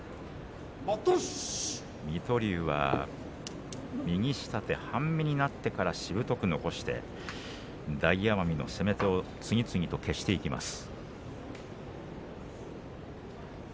水戸龍は、右下手、半身になって残して大奄美の攻め手を次々消していきます。